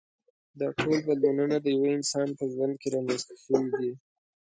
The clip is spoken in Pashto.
دا ټول بدلونونه د یوه انسان په ژوند کې رامنځته شوي دي.